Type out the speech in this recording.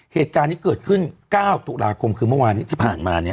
เหตุการณ์นี้เกิดขึ้น๙ตุลาคมคือเมื่อวานนี้ที่ผ่านมาเนี่ย